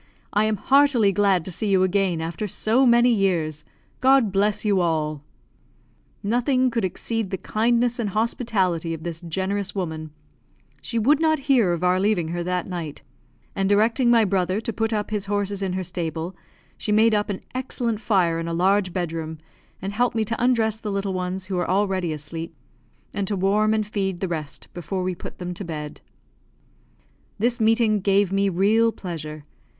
I am heartily glad to see you again after so many years. God bless you all!" Nothing could exceed the kindness and hospitality of this generous woman; she would not hear of our leaving her that night, and, directing my brother to put up his horses in her stable, she made up an excellent fire in a large bedroom, and helped me to undress the little ones who were already asleep, and to warm and feed the rest before we put them to bed. This meeting gave me real pleasure.